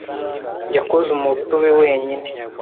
Yakoze umutobe wenyine.